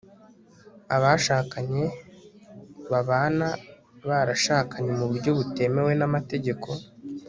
abashakanye babana barashakanye mu buryo butemewe n'amategeko